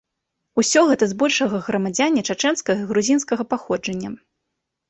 Усё гэта збольшага грамадзяне чачэнскага і грузінскага паходжання.